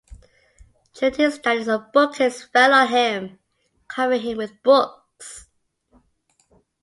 During his studies a book-case fell on him, covering him with books.